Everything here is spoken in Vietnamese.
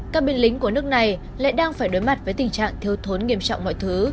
các binh lính của nước này lại đang phải đối mặt với tình trạng thiếu thốn nghiêm trọng mọi thứ